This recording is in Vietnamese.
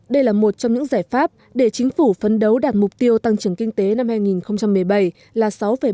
đây là một trong những giải pháp để chính phủ phấn đấu đạt mục tiêu tăng trưởng kinh tế năm hai nghìn một mươi bảy là sáu bảy